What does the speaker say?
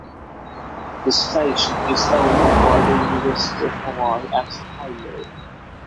The station is owned by the University of Hawaii at Hilo.